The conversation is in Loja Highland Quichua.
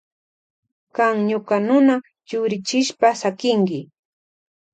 Kan ñuka nuna chukrichishpa sakinki.